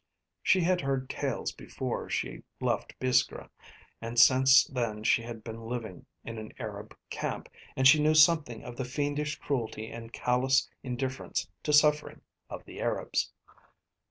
She had heard tales before she left Biskra, and since then she had been living in an Arab camp, and she knew something of the fiendish cruelty and callous indifference to suffering of the Arabs.